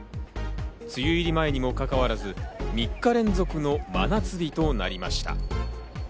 梅雨入り前にもかかわらず、３日連続の真夏日となりました。